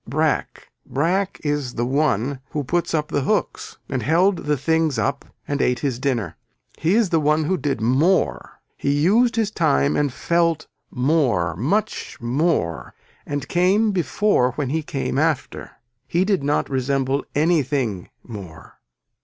Brack, Brack is the one who put up the hooks and held the things up and ate his dinner. He is the one who did more. He used his time and felt more much more and came before when he came after. He did not resemble anything more.